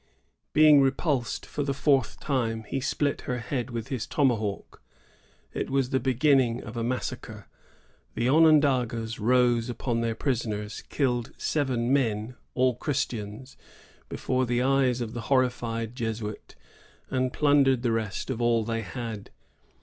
Being repulsed for the fourth time, he split her head with his tomahawk. It was the beginning of a massacre. The Onondagas rose upon their prisoners, killed seven men, all Christians, before the eyes of the horrified Jesuit, and plundered the rest of all they had.